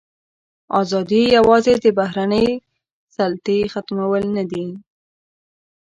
ازادي یوازې د بهرنۍ سلطې ختمول نه دي.